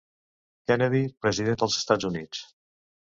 Kennedy, President dels Estats Units.